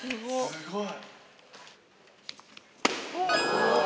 すごい。